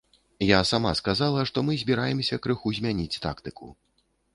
Я сама сказала, што мы збіраемся крыху змяніць тактыку.